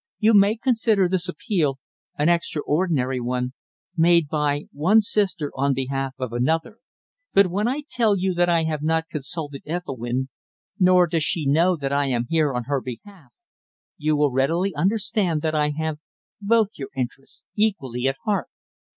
You may consider this appeal an extraordinary one, made by one sister on behalf of another, but when I tell you that I have not consulted Ethelwynn, nor does she know that I am here on her behalf, you will readily understand that I have both your interests equally at heart.